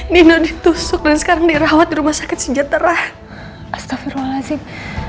nino ditusuk dan sekarang dirawat di rumah sakit sejahtera astafirul lazim